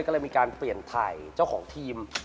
ก็เราก็มีการเปลี่ยนไทยเจ้าของทีม